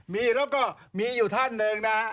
มีแล้วก็มีอยู่ท่านนึง